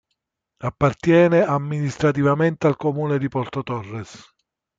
Appartiene amministrativamente al comune di Porto Torres.